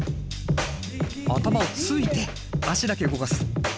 頭をついて足だけ動かす。